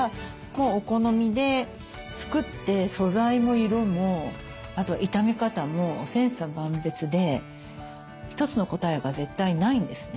服って素材も色もあと傷み方も千差万別で一つの答えが絶対ないんですね。